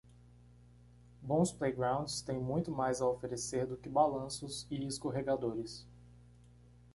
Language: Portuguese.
Bons playgrounds têm muito mais a oferecer do que balanços e escorregadores.